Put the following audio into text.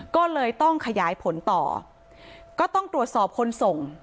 ก็เลยต้องขยายผลต่อก็ต้องตรวจสอบคนส่ง